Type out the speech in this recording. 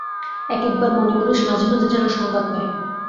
এক-একবার মনে করিস, মাঝে মাঝে যেন সংবাদ পাই।